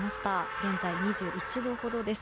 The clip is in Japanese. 現在２１度ほどです。